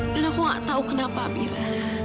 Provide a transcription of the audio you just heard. dan aku gak tau kenapa mira